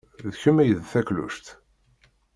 D kemm ay d takluct.